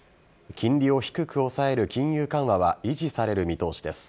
金利を低く抑える金融緩和は維持される見通しです。